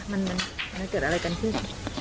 มันเกิดอะไรกันขึ้น